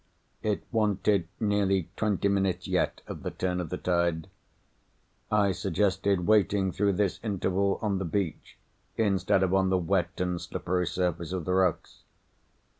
It wanted nearly twenty minutes yet of the turn of the tide. I suggested waiting through this interval on the beach, instead of on the wet and slippery surface of the rocks.